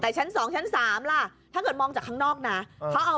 แต่ชั้นสองชั้นสามถ้าเจอมาวางเป็นหน้าหน้า